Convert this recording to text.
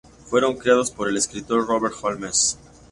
Fueron creados por el escritor Robert Holmes.